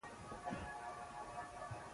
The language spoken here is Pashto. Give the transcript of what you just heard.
اوس په سارا کې د شپیلۍ په ژبه